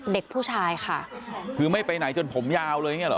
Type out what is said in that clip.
เด็กผู้ชายค่ะคือไม่ไปไหนจนผมยาวเลยอย่างเงี้เหรอ